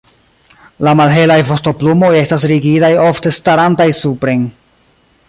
La malhelaj vostoplumoj estas rigidaj ofte starantaj supren.